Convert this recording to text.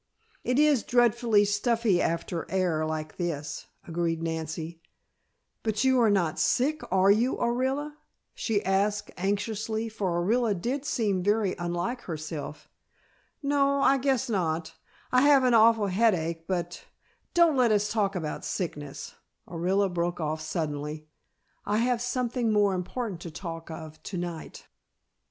"It is dreadfully stuffy after air like this," agreed Nancy. "But you are not sick, are you, Orilla?" she asked anxiously, for Orilla did seem very unlike herself. "No, I guess not. I have an awful headache but don't let us talk about sickness," Orilla broke off suddenly. "I have something more important to talk of to night."